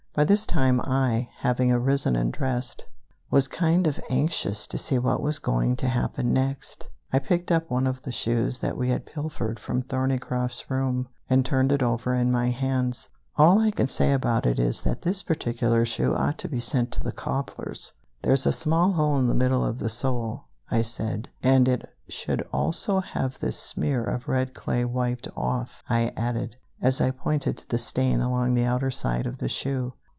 By this time I, having arisen and dressed, was kind of anxious to see what was going to happen next. I picked up one of the shoes that we had pilfered from Thorneycroft's room, and turned it over in my hands. "All I can say about it is that this particular shoe ought to be sent to the cobbler's. There's a small hole in the middle of the sole," I said, "and it should also have this smear of red clay wiped off," I added, as I pointed to the stain along the outer side of the shoe.